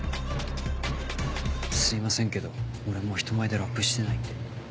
すいませんけど俺もう人前でラップしてないんで。